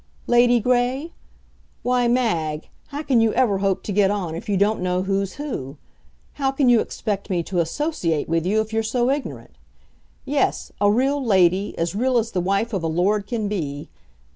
Lady Gray? Why, Mag, how can you ever hope to get on if you don't know who's who? How can you expect me to associate with you if you're so ignorant? Yes a real Lady, as real as the wife of a Lord can be.